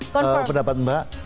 confirm kan pendapat mbak